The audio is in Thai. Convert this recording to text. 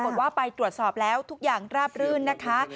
ว่าไปตรวจสอบแล้วทุกอย่างราบรื่นนะคะ